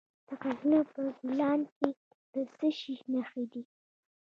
د غزني په ګیلان کې د څه شي نښې دي؟